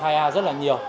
hai a rất là nhiều